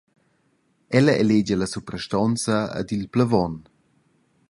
Ella elegia la suprastonza ed il plevon.